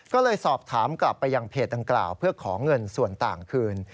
ก็เลยสอบถามกลับไปยังเพจดังกล่าวเพื่อขอเงินส่วนต่างคืน